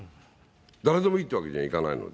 誰でもいいってわけにはいかないので。